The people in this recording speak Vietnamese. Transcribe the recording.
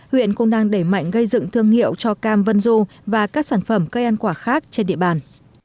huyện cũng đang đẩy mạnh gây dựng thương hiệu cho cam vân du và các sản phẩm cây ăn quả khác trên địa bàn